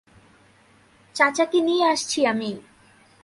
চাচাকে নিয়ে আসছি আমি।